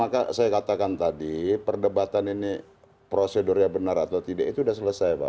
maka saya katakan tadi perdebatan ini prosedurnya benar atau tidak itu sudah selesai pak